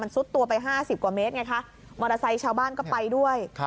ซุดตัวไป๕๐กว่าเมตรไงคะมอเตอร์ไซค์ชาวบ้านก็ไปด้วย